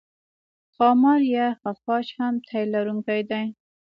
ښامار یا خفاش هم تی لرونکی دی